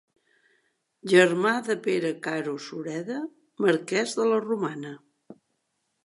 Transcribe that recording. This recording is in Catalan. Germà de Pere Caro Sureda, marquès de la Romana.